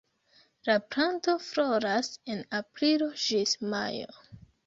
La planto floras en aprilo ĝis majo.